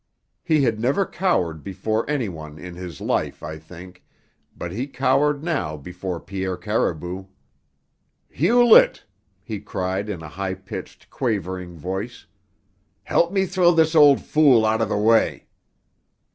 He had never cowered before anyone in his life, I think, but he cowered now before Pierre Caribou. "Hewlett!" he cried in a high pitched, quavering voice, "help me throw this old fool out of the way."